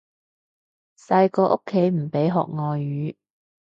細個屋企唔俾學外語